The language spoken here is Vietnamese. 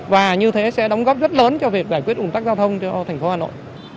và như thế sẽ đóng góp rất lớn cho việc giải quyết ủng tắc giao thông cho thành phố hà nội